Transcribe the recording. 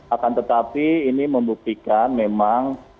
akan tetapi ini membuktikan memang